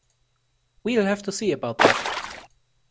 We'll have to see about that.